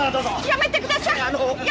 やめてください！